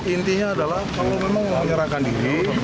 intinya adalah kalau memang menyerahkan diri